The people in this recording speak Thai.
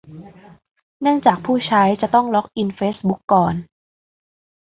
เนื่องจากผู้ใช้จะต้องล็อกอินเฟซบุ๊กก่อน